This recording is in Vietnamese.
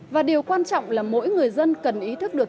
và điều quan trọng là mỗi người dân cần ý thức được